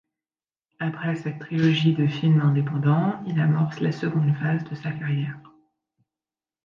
Après cette trilogie de films indépendants, il amorce la seconde phase de sa carrière.